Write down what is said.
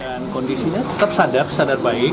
dan kondisinya tetap sadar sadar baik